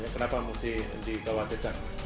kenapa mesti dikewajipkan